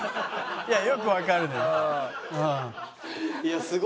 いやよくわかるのよ。